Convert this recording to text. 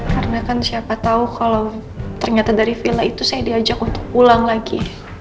karena kan siapa tau kalau ternyata dari villa itu saya diajak untuk pulang lagi